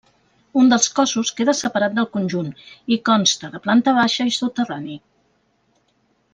Un dels cossos queda separat del conjunt i consta de planta baixa i soterrani.